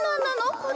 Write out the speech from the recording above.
これ。